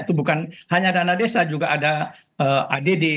itu bukan hanya dana desa juga ada add